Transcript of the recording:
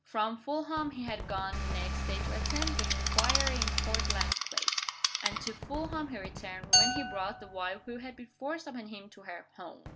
From Fulham he had gone, the next day, to attend the inquiry in Portland Place. And to Fulham he returned, when he brought the wife who had been forced upon him to her "home."